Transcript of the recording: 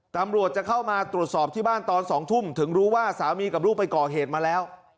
ตำรวจจะเข้ามาตรวจสอบที่บ้านตอน๒ทุ่มถึงรู้ว่าสามีกับลูกไปก่อเหตุมาแล้ว